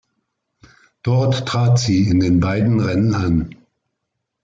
Dort trat sie in den beiden Rennen an.